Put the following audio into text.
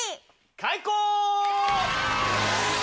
開講！